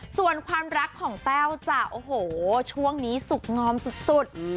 ส่วนความรักของแต้วจะโอ้โหช่วงนี้สุขงอมสุด